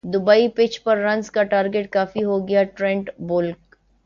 Dubai pitch پر runs کا target کافی ہو گا ٹرینٹ بولٹ